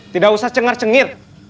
tidak usah cengar cenggir